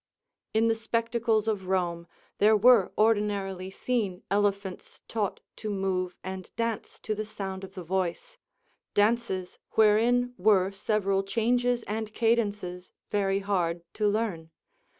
In the spectacles of Rome there were ordinarily seen elephants taught to move and dance to the sound of the voice, dances wherein were several changes and cadences very hard to learn.